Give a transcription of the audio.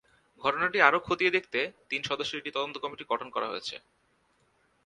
ঘটনাটি আরও খতিয়ে দেখতে তিন সদস্যের একটি তদন্ত কমিটি গঠন করা হয়েছে।